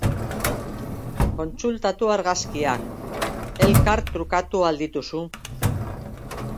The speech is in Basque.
Kontsultatu argazkiak elkartrukatu ahal dituzu.